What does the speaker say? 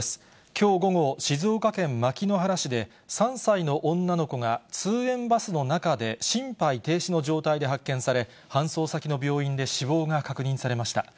きょう午後、静岡県牧之原市で３歳の女の子が通園バスの中で心肺停止の状態で発見され、搬送先の病院で死亡が確認されました。